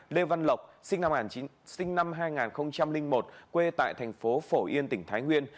lê văn lộc sinh năm hai nghìn một quê tại thành phố phổ yên tỉnh thái nguyên